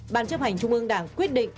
bàn chấp hành trung ương đảng quyết định